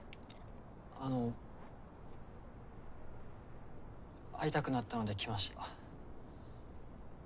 あの会いたくなったので来ました。